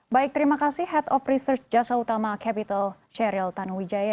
baik terima kasih head of research jasa utama capital sheryl tanuwijaya